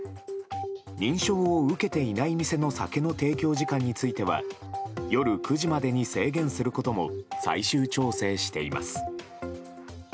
認証を受けていない店の酒の提供時間については夜９時までに制限することも最終調整しています。